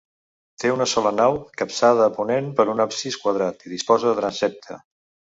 Té una sola nau, capçada a ponent per un absis quadrat, i disposa de transsepte.